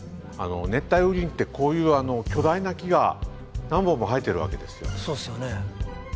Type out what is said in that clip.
熱帯雨林ってこういう巨大な木が何本も生えてるわけですよ。